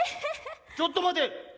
ちょっと待て！